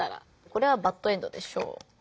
これはバッドエンドでしょう。